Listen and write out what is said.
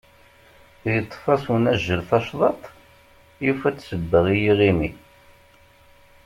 Iṭṭef-as unajjel tacḍaḍt, yufa-d sseba i yiɣimi.